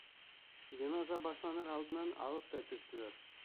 Йыназа башланыр алдынан алып та төштөләр.